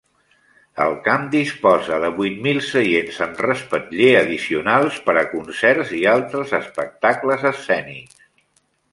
El camp disposa de vuit mil seients amb respatller addicionals per a concerts i altres espectacles escènics.